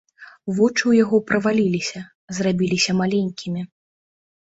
Вочы ў яго праваліліся, зрабіліся маленькімі.